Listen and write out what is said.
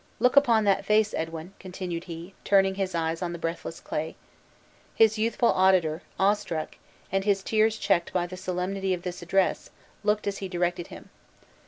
Look upon that face, Edwin!" continued he, turning his eyes on the breathless clay. His youthful auditor, awestruck, and his tears checked by the solemnity of this address, looked as he directed him.